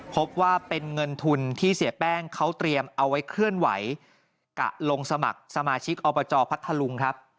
พบว่าเป็นเงินทุนที่เสียแป้งเขาเตรียมเอาไว้เคลื่อนไหวกะลงสมัครสมาชิกอบจพัทธลุงครับ